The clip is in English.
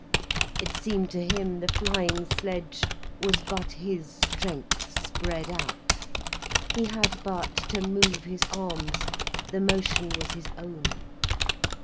It seemed to him the flying sledge was but his strength spread out, he had but to move his arms, the motion was his own.